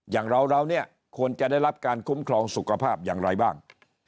อย่างเราเราเนี่ยควรจะได้รับการคุ้มครองสุขภาพอย่างไรบ้าง